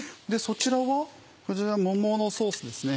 こちら桃のソースですね。